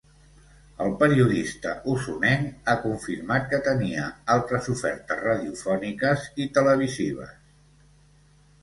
El periodista osonenc ha confirmat que tenia altres ofertes radiofòniques i televisives.